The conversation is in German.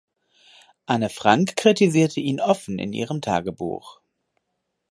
Anne Frank kritisierte ihn offen in ihrem Tagebuch.